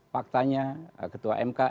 faktanya ketua mk